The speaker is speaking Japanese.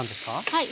はい。